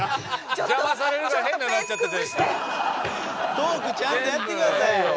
トークちゃんとやってくださいよ。